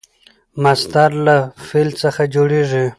مصدر له فعل څخه جوړېږي.